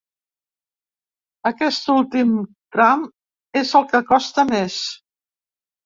Aquest últim tram és el que costa més.